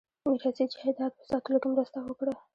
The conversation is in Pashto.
میراثي جایداد په ساتلو کې مرسته وکړه.